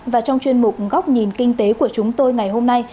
và trong chuyên mục góc nhìn kinh tế của chúng tôi ngày hôm nay